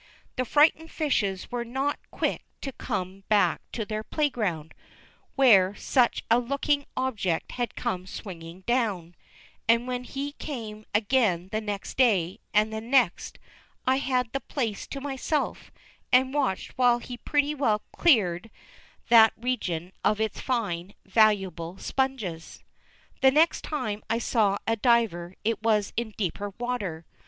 The frightened fishes were not quick to come back to their playground, where such a looking object had come swinging down, and when he came again the next day, and the next, I had the place to myself, and watched while he pretty well cleared that region of its fine, valuable sponges. The next time I saw a diver it was in deeper water.